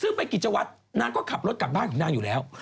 นางก็ขับรถกลับบ้านถึงนางอยู่แล้ว